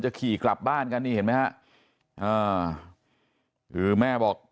ขี่กลับบ้านกันนี่เห็นไหมฮะอ่าคือแม่บอก